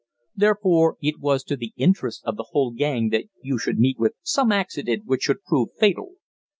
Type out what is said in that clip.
Therefore it was to the interests of the whole gang that you should meet with some accident which should prove fatal.